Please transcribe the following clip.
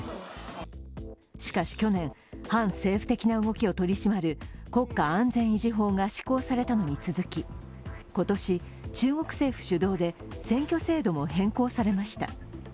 しかし去年、反政府的な動きを取り締まる国家安全維持法が施行されたのに続き今年、中国政府主導で選挙制度も変更されました。